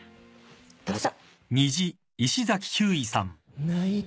どうぞ。